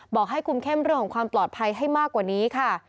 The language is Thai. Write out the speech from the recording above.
บอกให้คุมเข้มเรื่องของความปลอดภัยให้มากกว่านี้ค่ะ